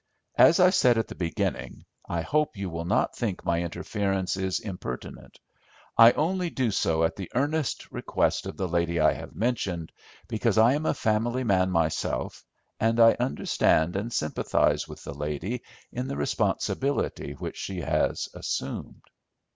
As I said at the beginning, I hope you will not think my interference is impertinent. I only do so at the earnest request of the lady I have mentioned, because I am a family man myself, and I understand and sympathise with the lady in the responsibility which she has assumed."